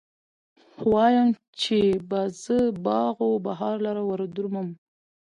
وايم، چې به زه باغ و بهار لره وردرومم